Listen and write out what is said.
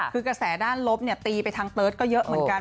คือกระแสด้านลบตีไปทางเติร์ทก็เยอะเหมือนกัน